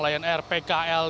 layan air pkl